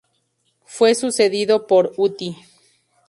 Fue sucedido por Uti.